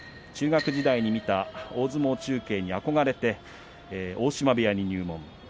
中学時代に見た大相撲中継に憧れて大島部屋に入門。